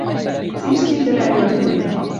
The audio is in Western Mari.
Цишти тӹлӓт ӧртем!»